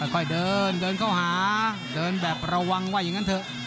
ค่อยเดินเดินเข้าหาเดินแบบระวังว่าอย่างนั้นเถอะ